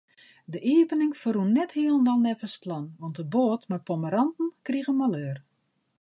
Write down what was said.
De iepening ferrûn net hielendal neffens plan, want de boat mei pommeranten krige maleur.